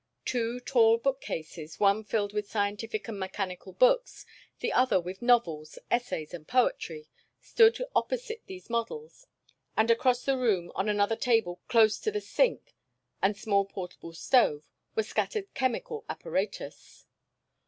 Two tall bookcases, one filled with scientific and mechanical books, the other with novels, essays, and poetry, stood opposite these models, and across the room on another table standing close to the sink and small portable stove, were scattered chemical apparatus.